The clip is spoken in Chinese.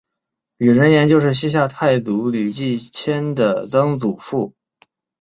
李仁颜就是西夏太祖李继迁的曾祖父。